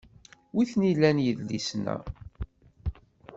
Wi t-nilan yedlisen-a?